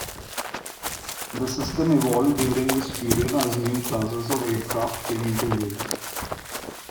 The system evolved during this period as new classes of aircraft came into use.